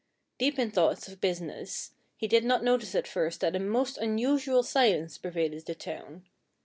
Deep in thoughts of business, he did not notice at first that a most unusual silence pervaded the town.